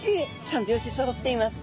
三拍子そろっています。